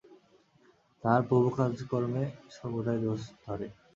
তাহার প্রভু কাজকর্মে সর্বদাই দোষ ধরে।